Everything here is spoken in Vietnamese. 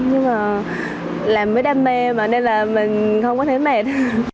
nhưng mà làm mới đam mê mà nên là mình không có thế mệt